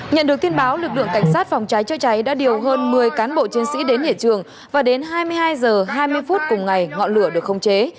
nhận được tin báo lực lượng cảnh sát phòng cháy chữa cháy đã điều hơn một mươi cán bộ chiến sĩ đến hiện trường và đến hai mươi hai h hai mươi phút cùng ngày ngọn lửa được không chế